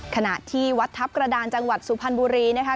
ขณะที่วัดทัพกระดานจังหวัดสุพรรณบุรีนะคะ